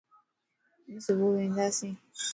آن صبح وندياسين